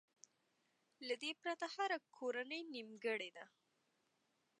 له دې پرته هره کورنۍ نيمګړې ده.